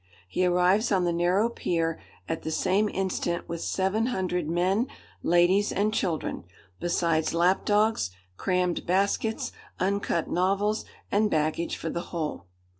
He arrives on the narrow pier at the same instant with seven hundred men, ladies, and children, besides lapdogs, crammed baskets, uncut novels, and baggage for the whole.